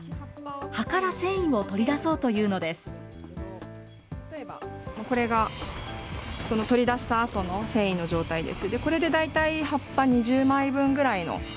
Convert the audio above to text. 葉から繊維を取り出そうというのです。